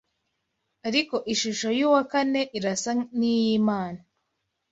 Ariko ishusho y’uwa kane irasa n’iy’imana